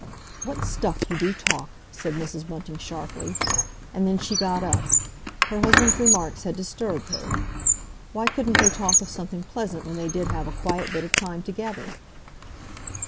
"What stuff you do talk!" said Mrs. Bunting sharply. And then she got up. Her husband's remarks had disturbed her. Why couldn't they talk of something pleasant when they did have a quiet bit of time together?